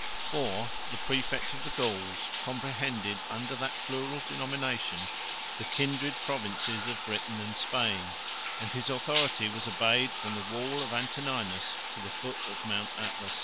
4. The præfect of the Gauls comprehended under that plural denomination the kindred provinces of Britain and Spain, and his authority was obeyed from the wall of Antoninus to the foot of Mount Atlas.